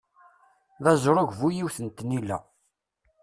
D azrug bu-yiwet n tnila.